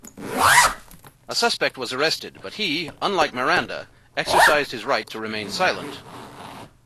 A suspect was arrested, but he, unlike Miranda, exercised his right to remain silent.